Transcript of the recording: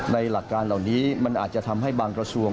หลักการเหล่านี้มันอาจจะทำให้บางกระทรวง